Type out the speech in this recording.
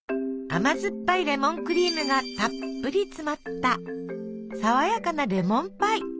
甘酸っぱいレモンクリームがたっぷり詰まったさわやかなレモンパイ！